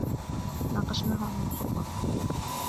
ناقشناه عن الخطة.